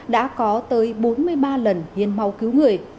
đã có tới bốn mươi ba lần hiến máu cứu người